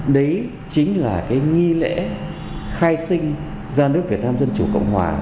đấy chính là cái nghi lễ khai sinh ra nước việt nam dân chủ cộng hòa